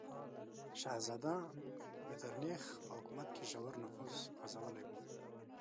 شهزاده میترنیخ په حکومت کې ژور نفوذ غځولی و.